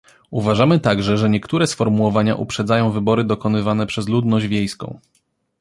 Uważamy także, że niektóre sformułowania uprzedzają wybory dokonywane przez ludność wiejską